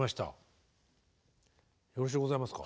よろしゅうございますか。